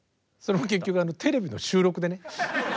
それも結局テレビの収録でね。